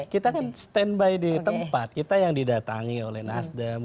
kita kan standby di tempat kita yang didatangi oleh nasdem